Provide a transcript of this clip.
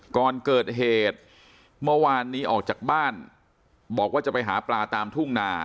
ก่อนเกิดเหตุเมื่อวานนี้ออกจากบ้านบอกว่าจะไปหาปลาตามทุ่งนา